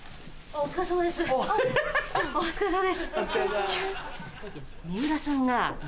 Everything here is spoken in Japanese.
お疲れさまですいや。